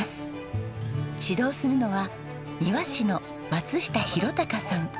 指導するのは庭師の松下裕崇さん。